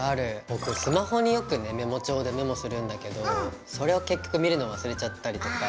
僕スマホによくねメモ帳でメモするんだけどそれを結局見るのを忘れちゃったりとか。